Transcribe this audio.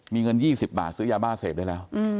มีเงิน๒๐บาทซื้อยาบ้าเสพได้แล้ว